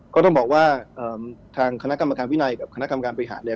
ก็ต้องบอกว่าทางคณะกรรมการวินัยกับคณะกรรมการบริหารเนี่ย